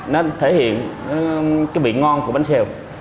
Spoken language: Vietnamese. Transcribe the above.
nó thể hiện cái vị ngon của bánh xèo